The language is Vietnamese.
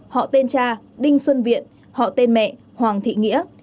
họ tên cha đinh xuân viện họ tên mẹ hoàng thị nghĩa